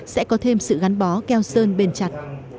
sẽ có thêm sự gắn bó keo sơn bền chặt